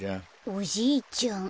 おじいちゃん。